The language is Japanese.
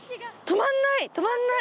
止まんない。